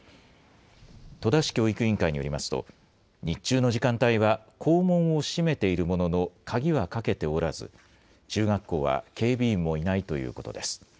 戸田市教育委員会によりますと、日中の時間帯は校門を閉めているものの、鍵はかけておらず、中学校は警備員もいないということです。